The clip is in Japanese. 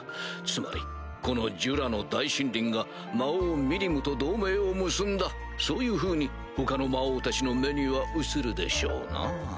つまりこのジュラの大森林が魔王ミリムと同盟を結んだそういうふうに他の魔王たちの目には映るでしょうな。